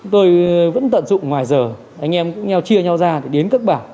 tôi vẫn tận dụng ngoài giờ anh em cũng nhau chia nhau ra để đến các bảng